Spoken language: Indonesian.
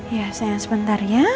ya sayang sebentar ya